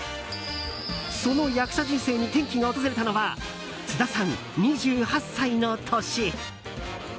その役者人生に転機が訪れたのは津田さん、２８歳の年。